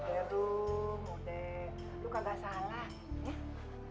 iya rum ude duka duka sama